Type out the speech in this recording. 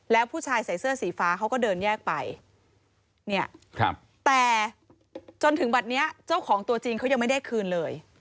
แล้วผู้ชายใส่เสื้อสีฟ้าเขาก็เดินแยกไปเนี่ยแต่จนถึงบัตรนี้เจ้าของตัวจริงเขายังไม่ได้คืนเลย